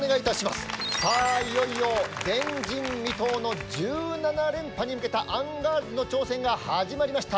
さあいよいよ前人未到の１７連覇に向けたアンガールズの挑戦が始まりました。